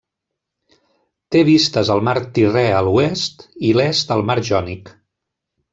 Té vistes al mar Tirrè a l'oest, i l'est al mar Jònic.